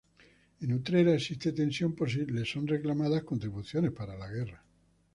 En Utrera existe tensión por si les son reclamadas contribuciones para la guerra.